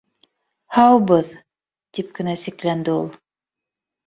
— Һаубыҙ, — тип кенә сикләнде ул.